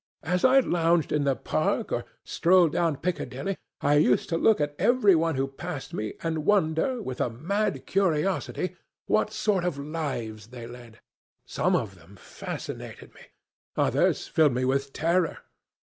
As I lounged in the park, or strolled down Piccadilly, I used to look at every one who passed me and wonder, with a mad curiosity, what sort of lives they led. Some of them fascinated me. Others filled me with terror.